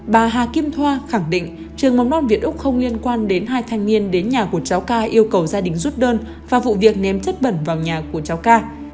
bà hà kim thoa khẳng định trường mầm non việt úc không liên quan đến hai thanh niên đến nhà của cháu ca yêu cầu gia đình rút đơn và vụ việc ném chất bẩn vào nhà của cháu ca